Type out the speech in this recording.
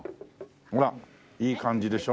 ほらいい感じでしょ。